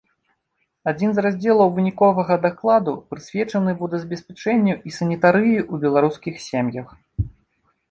Адзін з раздзелаў выніковага дакладу прысвечаны водазабеспячэнню і санітарыі ў беларускіх сем'ях.